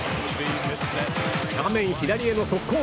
画面左への速攻。